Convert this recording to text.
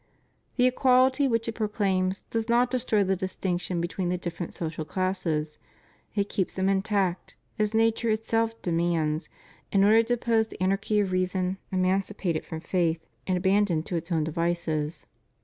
The equality which it proclaims does not destroy the distinction between the different social classes. It keeps them intact, as nature itself de mands, in order to oppose the anarchy of reason emanci pated from faith, and abandoned to its own devices.